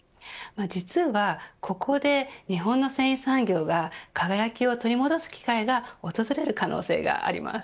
実はここで日本の繊維産業が輝きを取り戻す機会が訪れる可能性があります。